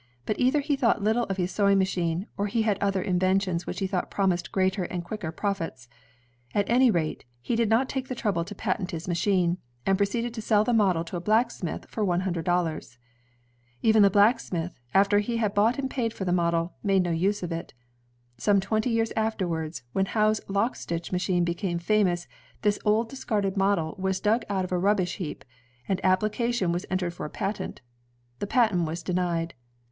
But either he thought little of his sewing machine, or he had other inventions which he thought promised greater and quicker profits. At any rate, he did not take the trouble to patent his machine, and proceeded to sell the model to a blacksmith for one himdred dollars. Even the blacksmith, after he had bought and paid for the model, made no use of it. Some twenty years afterwards, when Howe's lock stitch machine became famous, this old discarded model was dug out of a rubbish heap, and application was entered for a patent. The patent was denied.